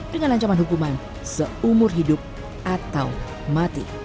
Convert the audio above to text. dengan ancaman hukuman seumur hidup atau mati